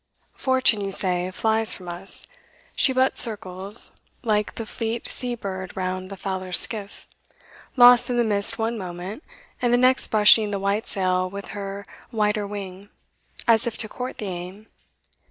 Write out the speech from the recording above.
Fortune, you say, flies from us She but circles, Like the fleet sea bird round the fowler's skiff, Lost in the mist one moment, and the next Brushing the white sail with her whiter wing, As if to court the aim.